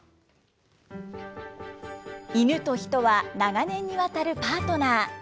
イヌとヒトは長年にわたるパートナー。